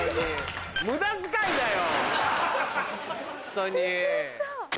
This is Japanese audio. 無駄遣いだよ。